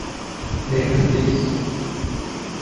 ডেনহাই, please.